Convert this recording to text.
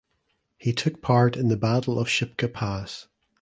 He took part in the Battle of Shipka Pass.